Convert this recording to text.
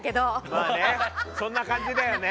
まあねそんな感じだよね。